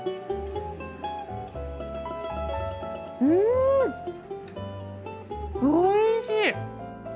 うんおいしい！